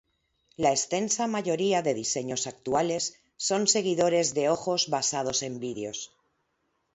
La extensa mayoría de diseños actuales son seguidores de ojos basados en vídeos.